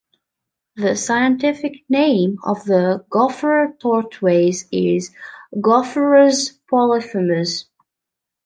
The scientific name of the Gopher Tortoise is Gopherus polyphemus.